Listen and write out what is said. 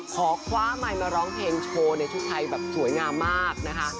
ขอคว้าไมค์มาร้องเพลงโชว์ในชุดไทยแบบสวยงามมากนะคะ